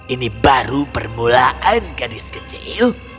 ini baru permulaan gadis kecil